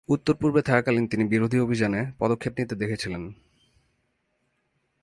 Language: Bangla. উত্তর-পূর্ব থাকাকালীন তিনি বিরোধী অভিযানে পদক্ষেপ নিতে দেখেছিলেন।